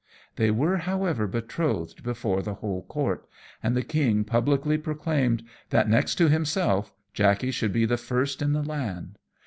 They were, however, betrothed before the whole court, and the king publicly proclaimed that, next to himself, Jackey should be the first in the land.